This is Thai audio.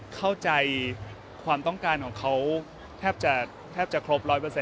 เข้าใจความต้องการของเขาแทบจะแทบจะครบ๑๐๐